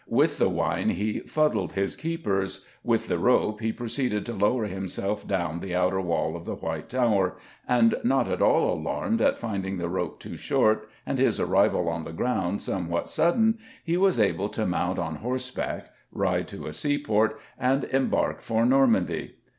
With the wine he "fuddled his keepers"; with the rope he proceeded to lower himself down the outer wall of the White Tower, and, not at all alarmed at finding the rope too short and his arrival on the ground somewhat sudden, he was able to mount on horseback, ride to a seaport, and embark for Normandy.